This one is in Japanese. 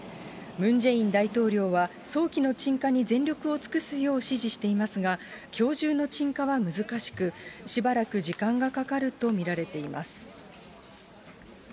ムン・ジェイン大統領は、早期の鎮火に全力を尽くすよう指示していますが、きょう中の鎮火は難しく、しばらく時間がかかると見られています。